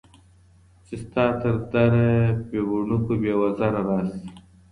چي ستا تر دره بې بڼکو ، بې وزره راسي